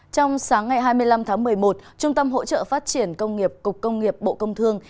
trong sáng ngày hai mươi năm tháng một mươi một trung tâm hỗ trợ phát triển công nghiệp cục công nghiệp bộ công thương